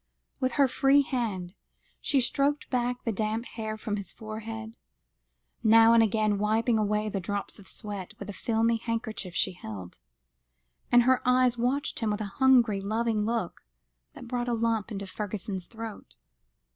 With her free hand she stroked back the damp hair from his forehead, now and again wiping away the drops of sweat with a filmy handkerchief she held, and her eyes watched him with a hungry, loving look, that brought a lump into Fergusson's throat.